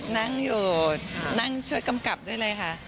นั่งอยู่นั่งช่วยกำกับด้วยเลยค่ะ